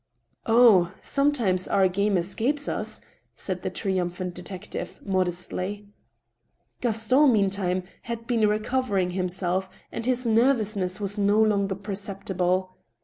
" Oh ! sometimes our game escapes us," said the triumphant de tective, modestly. Gaston, meantime, had been recovering himself, and his nervous ness was no longer perceptible.